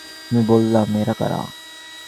আমি বললাম, এরা কারা?